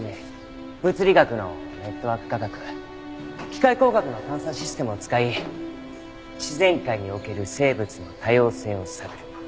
ＤＮＡ物理学のネットワーク科学機械工学の探査システムを使い自然界における生物の多様性を探る。